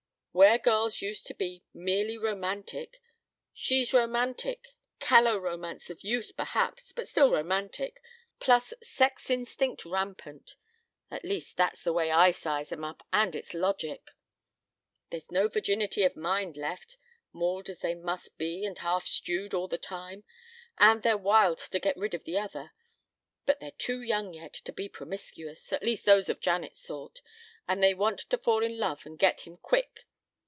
Where girls used to be merely romantic, she's romantic callow romance of youth, perhaps, but still romantic plus sex instinct rampant. At least that's the way I size 'em up, and its logic. There's no virginity of mind left, mauled as they must be and half stewed all the time, and they're wild to get rid of the other. But they're too young yet to be promiscuous, at least those of Janet's sort, and they want to fall in love and get him quick.